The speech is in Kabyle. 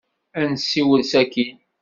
Ad nessiwel sakkin.